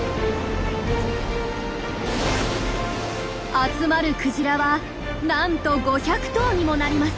集まるクジラはなんと５００頭にもなります！